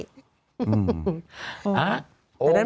เกล้ากาย